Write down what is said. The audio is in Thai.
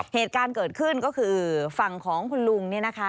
เหตุการณ์เกิดขึ้นก็คือฝั่งของคุณลุงเนี่ยนะคะ